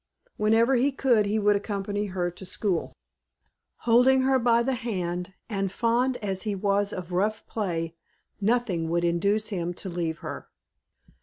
Whenever he could, he would accompany her to school, holding her by the hand; and fond as he was of rough play, nothing would induce him to leave her.